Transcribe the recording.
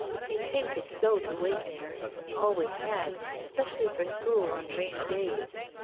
She hated so to waken her. Always had. Especially for school on rainy days.